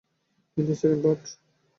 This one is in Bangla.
কিন্তু সেকেন্ড পার্ট?